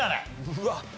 うわっ。